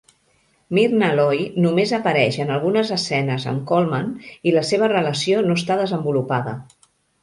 Myrnna Loy només apareix en algunes escenes amb Colman, i la seva relació no està desenvolupada.